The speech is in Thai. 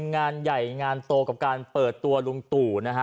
งานใหญ่งานโตกับการเปิดตัวลุงตู่นะฮะ